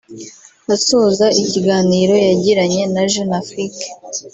Asoza ikiganiro yagiranye na Jeune Afrique